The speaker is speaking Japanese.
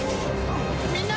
みんな！